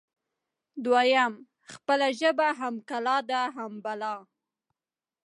دویم: خپله ژبه هم کلا ده هم بلا